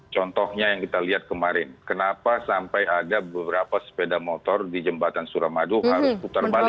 contohnya yang kita lihat kemarin kenapa sampai ada beberapa sepeda motor di jembatan suramadu harus putar balik